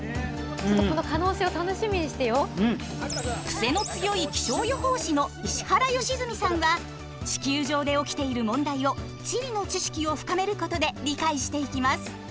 クセの強い気象予報士の石原良純さんは地球上で起きている問題を地理の知識を深めることで理解していきます。